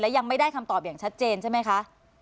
ยังไม่ได้คำตอบอย่างชัดเจนใช่ไหมคะ